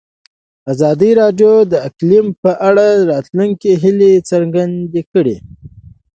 ازادي راډیو د اقلیم په اړه د راتلونکي هیلې څرګندې کړې.